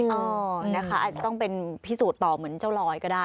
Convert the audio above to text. เออนะคะอาจจะต้องเป็นพิสูจน์ต่อเหมือนเจ้าลอยก็ได้